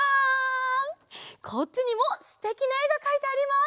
こっちにもすてきなえがかいてあります！